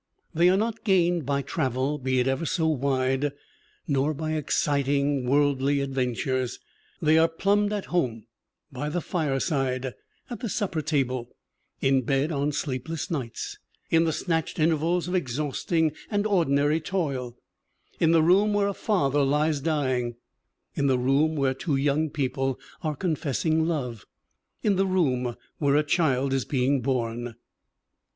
They are not gained by travel be it ever so wide, nor by exciting worldly adven tures. They are plumbed at home, by the fireside, at the supper table, in bed on sleepless nights, in the snatched intervals of exhausting and ordinary toil, in the room where a father lies dying, in the room where two young people are confessing love, in the room where a child is being born.